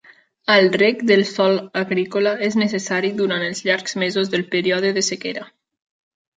El reg del sòl agrícola és necessari durant els llargs mesos del període de sequera.